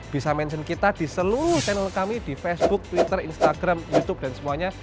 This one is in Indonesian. bisa mention kita di seluruh channel kami di facebook twitter instagram youtube dan semuanya